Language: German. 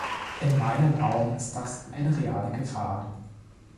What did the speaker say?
In meinen Augen ist das eine reale Gefahr.